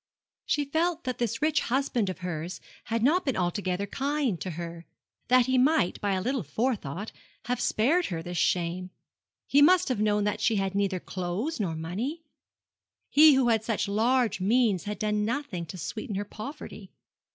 She felt that this rich husband of hers had not been altogether kind to her that he might by a little forethought have spared her this shame. He must have known that she had neither clothes nor money. He who had such large means had done nothing to sweeten her poverty.